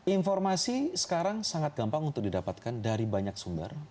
informasi sekarang sangat gampang untuk didapatkan dari banyak sumber